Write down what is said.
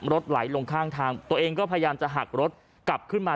รถไหลลงข้างทางตัวเองก็พยายามจะหักรถกลับขึ้นมา